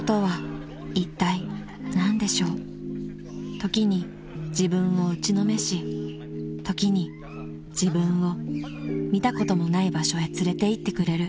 ［時に自分を打ちのめし時に自分を見たこともない場所へ連れていってくれる］